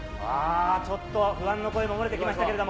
ちょっと不安の声も漏れてきましたけれども。